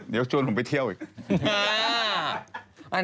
เดี๋ยวชวนผมไปเที่ยวอีก